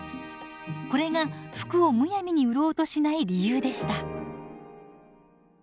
これが服をむやみに売ろうとしない理由でした。